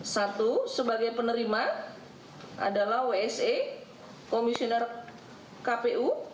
satu sebagai penerima adalah wse komisioner kpu